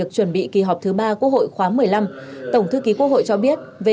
chuyên đề một mươi một